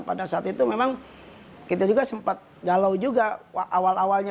pada saat itu memang kita juga sempat galau juga awal awalnya